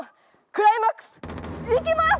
クライマックス行きます！